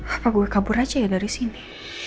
apa gue kabur aja ya dari sini